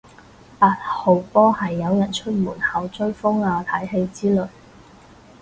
八號波係有人出門口追風啊睇戲之類